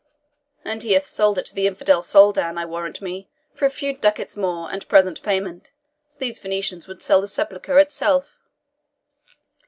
"And he hath sold it to the infidel Soldan, I warrant me, for a few ducats more, and present payment. These Venetians would sell the Sepulchre itself!"